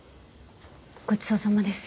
ごちそうさまです。